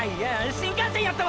新幹線やったわ！！